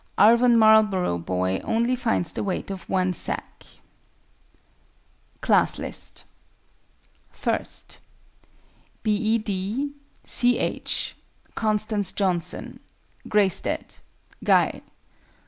ARVON MARLBOROUGH BOY only finds the weight of one sack. CLASS LIST I. B. E. D. C. H. CONSTANCE JOHNSON. GREYSTEAD. GUY.